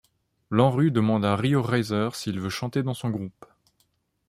Lanrue demande à Rio Reiser s'il veut chanter dans son groupe.